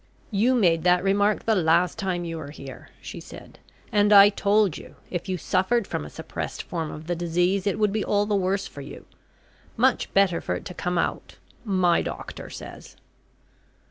"You made that remark the last time you were here," she said; "and I told you, if you suffered from a suppressed form of the disease, it would be all the worse for you. Much better for it to come out my doctor says."